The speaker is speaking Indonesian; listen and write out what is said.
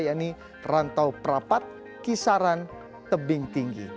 yaitu rantau perapat kisaran tebing tinggi